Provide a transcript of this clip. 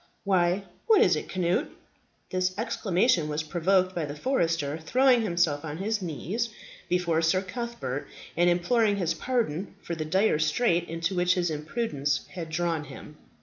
Why, what is it, Cnut?" This exclamation was provoked by the forester throwing himself on his knees before Sir Cuthbert, and imploring his pardon for the dire strait into which his imprudence had drawn him.